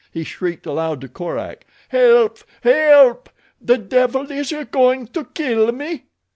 He shrieked aloud to Korak. "Help! Help! The devil is going to kill me!"